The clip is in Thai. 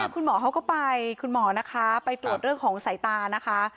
แล้วก็คุณหมอเขาก็ไปไปตรวจเรื่องของสายตา